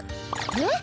えっ！